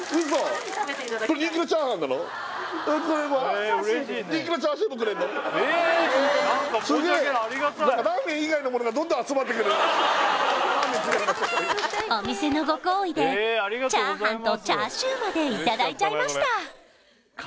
スゲーお店のご厚意でチャーハンとチャーシューまでいただいちゃいました